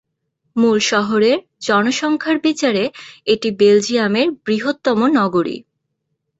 মূল শহরের জনসংখ্যার বিচারে এটি বেলজিয়ামের বৃহত্তম নগরী।